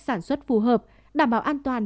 sản xuất phù hợp đảm bảo an toàn